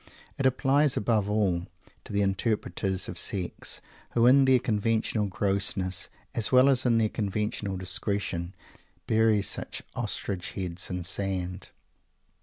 It applies, above all, to the interpreters of Sex, who, in their conventional grossness, as well as in their conventional discretion, bury such Ostrich heads in the sand!